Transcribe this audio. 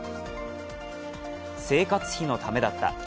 生活費のためだった。